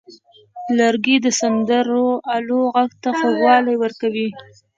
لرګی د سندرو آلو غږ ته خوږوالی ورکوي.